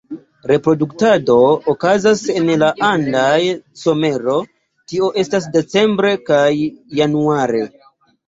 Reproduktado okazas en la andaj somero, tio estas decembre kaj januare.